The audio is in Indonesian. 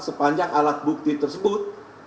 sepanjang alat bukti tersebut